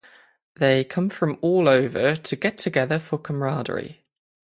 They come from all over to get together for camaraderie.